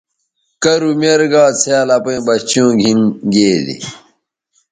کرُو میر گا آ څھیال اپئیں بچوں گھِن گے دے۔